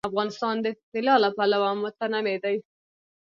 افغانستان د طلا له پلوه متنوع دی.